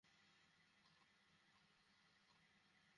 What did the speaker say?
প্রায় হাজার খানেক লাগবে।